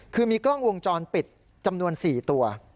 คือมีกล้องวงจรปิดจำนวน๔ตัว